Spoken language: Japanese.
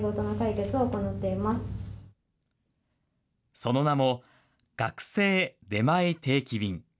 その名も、学生出前定期便。